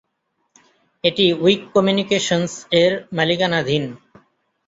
এটি Week Communications এর মালিকানাধীন।